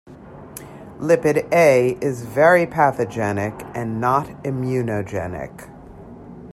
Lipid A is very pathogenic and not immunogenic.